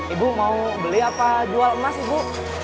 ibu mau beli apa jual emas ibu